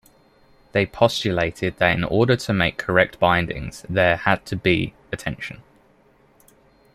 They postulated that in order to make correct bindings there had to be attention.